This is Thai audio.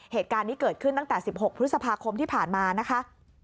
เหตุการณ์นี้เกิดขึ้นตั้งแต่๑๖พฤษภาคมที่ผ่านมานะคะ